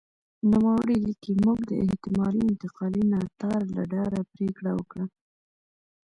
نوموړی لیکي موږ د احتمالي انتقالي ناتار له ډاره پرېکړه وکړه.